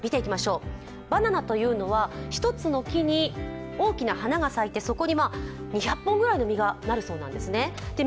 バナナというのは、一つの木に大きな花が咲いて、そこに２００本ぐらいの実がなるそうなんですね。